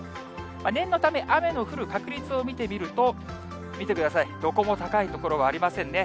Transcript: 念のため、雨の降る確率を見てみると、見てください、どこも高い所はありませんね。